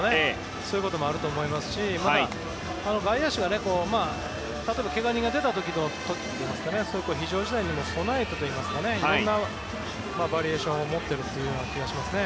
そういうこともあると思いますしまだ、外野手が例えばけが人が出た時というか非常事態に備えてといいますかいろんなバリエーションを持っている気がしますね。